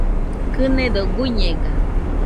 Kɨnedo guiñega